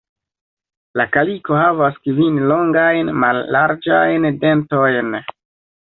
La kaliko havas kvin longajn mallarĝajn "dentojn".